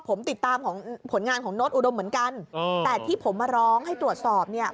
ผมติดตามของผลงานของโน้ตอุดมเหมือนกันแต่ที่ผมมาร้องให้ตรวจสอบเนี่ย